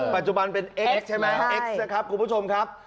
ปัจจุบันเป็นเอ็กซ์ใช่ไหมเอ็กซ์นะครับคุณผู้ชมครับ